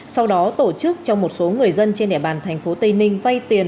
sau đó tổ chức cho một số người dân trên đẻ bàn thành phố tây ninh vay tiền